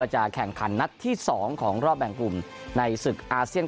จะแข่งขันนัดที่๒ของรอบแบ่งกลุ่มในศึกอาเซียน